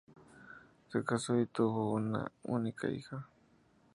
Se casó y tuvo una única hija.